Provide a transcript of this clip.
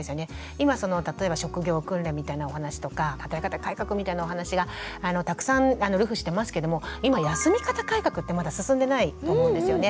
今その例えば職業訓練みたいなお話とか働き方改革みたいなお話がたくさん流布してますけども今「休み方改革」ってまだ進んでないと思うんですよね。